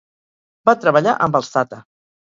Va treballar amb els Tata.